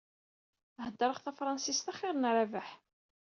Heddṛeɣ tafṛansist axiṛ n Rabaḥ.